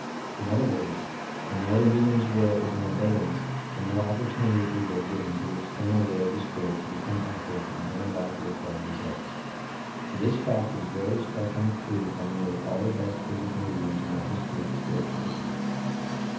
In other words, the more the medium's will is in abeyance, the more opportunity is there given to the external will of the spirit to become active and bring about the required results. This fact is very strikingly proved by nearly all the best physical medionis in the history of Spiritualism.